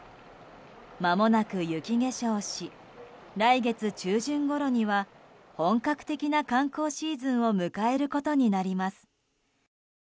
まもなく雪化粧し来月中旬ごろには本格的な観光シーズンを迎えることになります。